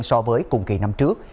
so với cùng kỳ năm trước